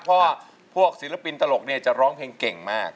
เพราะว่าพวกศิลปินตลกเนี่ยจะร้องเพลงเก่งมาก